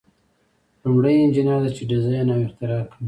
لومړی انجینر دی چې ډیزاین او اختراع کوي.